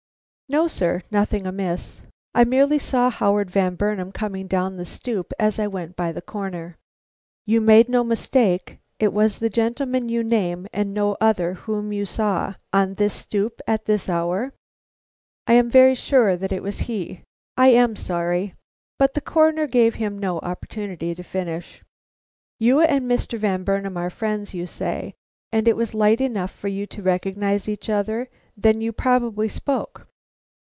"No, sir, nothing amiss. I merely saw Howard Van Burnam coming down the stoop as I went by the corner." "You made no mistake. It was the gentleman you name, and no other whom you saw on this stoop at this hour?" "I am very sure that it was he. I am sorry " But the Coroner gave him no opportunity to finish. "You and Mr. Van Burnam are friends, you say, and it was light enough for you to recognize each other; then you probably spoke?"